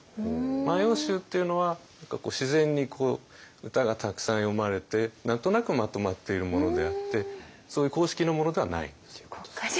「万葉集」っていうのは自然に歌がたくさん詠まれて何となくまとまっているものであってそういう公式のものではないっていうことですよね。